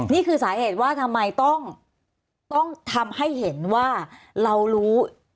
นี่คือสาเหตุว่าทำไมต้องทำให้เห็นว่าเรารู้